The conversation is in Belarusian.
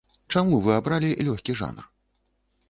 Чаму вы абралі лёгкі жанр?